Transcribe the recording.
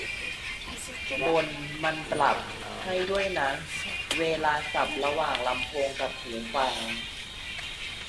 บน มันปรับ ให้ด้วยนะ เวลาสับระหว่างลำโพงกับหูฟัง